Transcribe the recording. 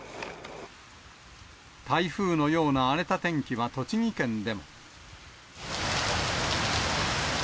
台風のような荒れた天気は栃木県でも。